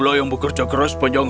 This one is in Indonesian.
tidak bisa kau pertama sekali mendengar